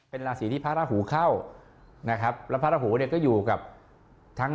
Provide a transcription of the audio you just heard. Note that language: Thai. เป็นราศีที่พระราหูเข้านะครับแล้วพระราหูเนี่ยก็อยู่กับทั้ง